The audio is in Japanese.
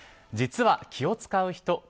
実は、気を使う人。